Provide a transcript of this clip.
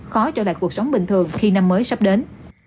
khó trở lại cuộc sống bình thường khi năm mới sắp đến